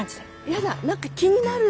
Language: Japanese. やだ何か気になる。